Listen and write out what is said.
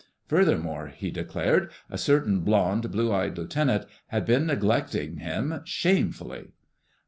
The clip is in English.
Furthermore, he declared, a certain blonde, blue eyed lieutenant had been neglecting him shamefully.